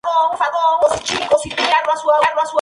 Su capital es el pueblo homónimo.